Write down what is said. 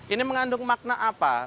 ini mengandung makna apa